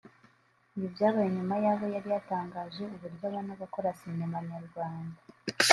Ibi byabaye nyuma yaho yari yatangaje uburyo abona abakora Sinema nyarwanda